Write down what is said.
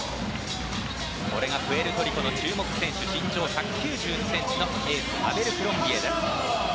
これがプエルトリコの注目選手身長１９２ｃｍのエースアベルクロンビエです。